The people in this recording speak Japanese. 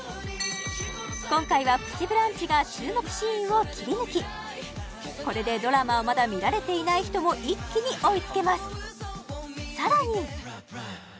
今回は「プチブランチ」が注目シーンをキリヌキこれでドラマをまだ見られていない人も一気に追いつけます